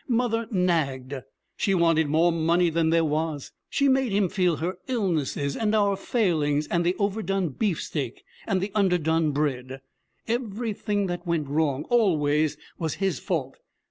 Mother nagged; she wanted more money than there was; she made him feel her illnesses, and our failings, and the overdone beefsteak, and the under done bread, everything that went wrong, always, was his fault.